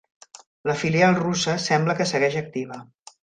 La filial russa sembla que segueix activa.